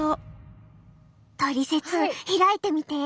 トリセツ開いてみて。